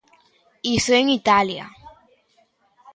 Iso en Italia.